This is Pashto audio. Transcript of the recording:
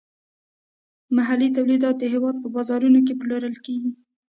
محلي تولیدات د هیواد په بازارونو کې پلورل کیږي.